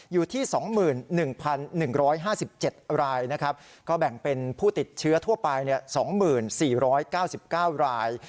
อยู่ที่๒๑๑๕๗รายนะครับก็แบ่งเป็นผู้ติดเชื้อทั่วไป๒๔๙๙ราย